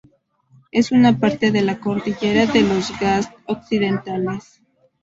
Es una parte de la cordillera de los Ghats occidentales.